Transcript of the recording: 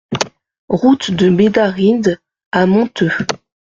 Route de Bédarrides à Monteux